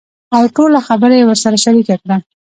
اوټوله خبره يې ورسره شريکه کړه .